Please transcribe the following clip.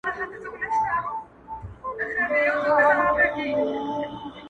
زرې زرې کړمه دې خپل اضطرابي طبيعت